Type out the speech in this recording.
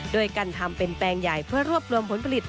โดยการทำเป็นแปลงใหญ่เพื่อรวบรวมผลผลิต